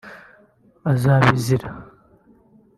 azabizira